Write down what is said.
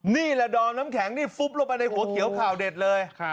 นี่แหละดอมน้ำแข็งนี่ฟุบลงไปในหัวเขียวข่าวเด็ดเลย